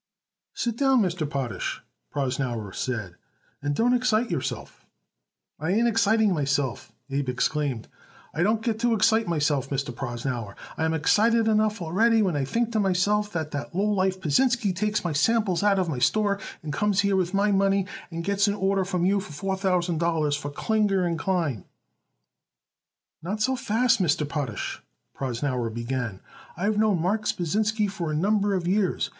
"Sit down, Mr. Potash," Prosnauer said, "and don't excite yourself." "I ain't exciting myself," Abe exclaimed. "I don't got to excite myself, Mr. Prosnauer. I am excited enough already when I think to myself that that lowlife Pasinsky takes my samples out of my store and comes here with my money and gets an order from you for four thousand dollars for Klinger & Klein." "Not so fast, Mr. Potash," Prosnauer began. "I've known Marks Pasinsky for a number of years.